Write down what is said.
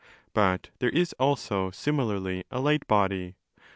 But 20 there is also similarly a light body.